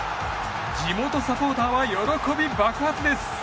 地元サポーターは喜び爆発です！